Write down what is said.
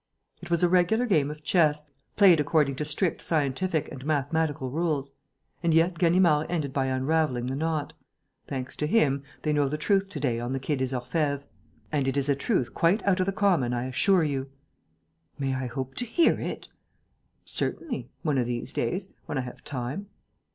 It was a regular game of chess, played according to strict scientific and mathematical rules. And yet Ganimard ended by unravelling the knot. Thanks to him, they know the truth to day on the Quai des Orfèvres. And it is a truth quite out of the common, I assure you." "May I hope to hear it?" "Certainly ... one of these days ... when I have time....